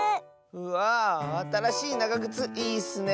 うわあたらしいながぐついいッスね。